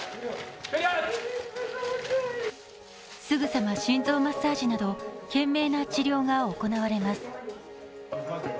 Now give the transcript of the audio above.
すぐさま心臓マッサージなど懸命な治療が行われます。